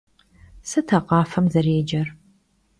Sıt a khafem zerêcer?